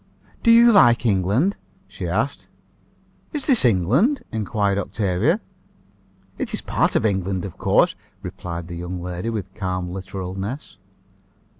"Do you like England?" she asked. "Is this England?" inquired Octavia. "It is a part of England, of course," replied the young lady, with calm literalness.